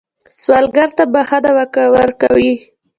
سوالګر ته بښنه ورکوئ